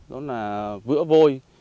đó là vữa vôi